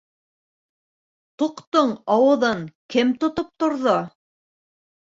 — Тоҡтоң ауыҙын кем тотоп торҙо?